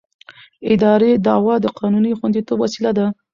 اداري دعوه د قانوني خوندیتوب وسیله ده.